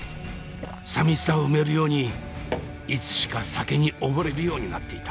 さみしさを埋めるようにいつしか酒に溺れるようになっていた。